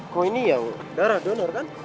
kok ini ya darah donor kan